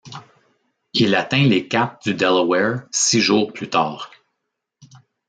Il atteint les caps du Delaware six jours plus tard.